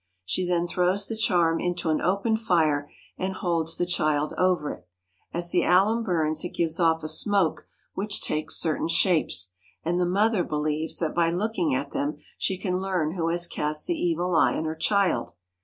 She then throws the charm into an open fire and holds the child over it. As the alum burns it gives off a smoke which takes certain shapes, and the mother believes that by looking at them she can learn who has cast the evil eye on her child.